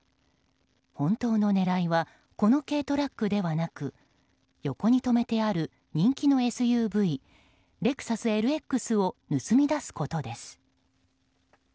本当の狙いはこの軽トラックではなく横に止めてある人気のＳＵＶレクサスＬＸを盗み出すことです。